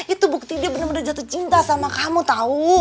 itu bukti dia bener bener jatuh cinta sama kamu tau